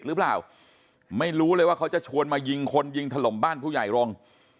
หรือเปล่าไม่รู้เลยว่าเขาจะชวนมายิงคนยิงถล่มบ้านผู้ใหญ่รงค์